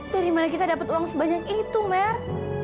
dari mana kita dapat uang sebanyak itu mer